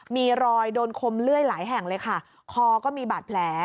มีรอยโดนคมเลื่อยหลายแห่งเลยค่ะคอก็มีบาดแผล